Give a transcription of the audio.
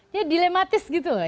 dia dilematis gitu loh